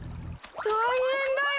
大変だよ！